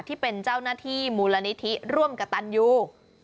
ที่เป็นเจ้าหน้าที่มูลนิธิร่วมกับตันยู